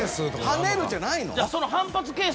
跳ねるじゃないの？